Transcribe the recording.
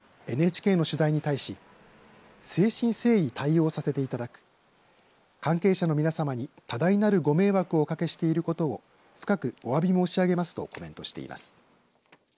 ビッグモーターはＮＨＫの取材に対し誠心誠意対応させていただく関係者の皆さまに多大なるご迷惑をおかけしていることを深くおわび申し上げますとコメントしています。